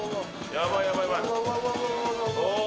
やばいやばい。